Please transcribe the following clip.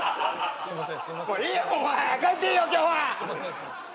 すいません。